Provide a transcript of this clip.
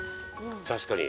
確かに。